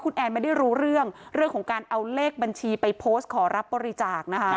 คุณแอนไม่ได้รู้เรื่องของการเอาเลขบัญชีไปโพสต์ขอรับบริจาคนะคะ